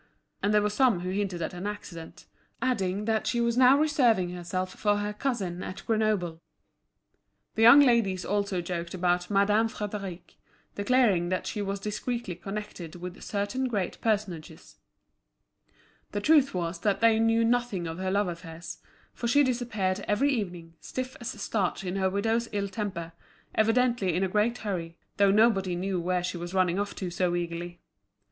And there were some who hinted at an accident, adding that she was now reserving herself for her cousin at Grenoble. The young ladies also joked about Madame Frédéric, declaring that she was discreetly connected with certain great personages; the truth was that they knew nothing of her love affairs; for she disappeared every evening, stiff as starch in her widow's ill temper, evidently in a great hurry, though nobody knew where she was running off to so eagerly.